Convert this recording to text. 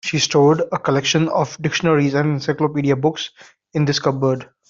She stored a collection of dictionaries and encyclopedia books in this cupboard.